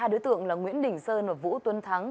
hai đối tượng là nguyễn đình sơn và vũ tuấn thắng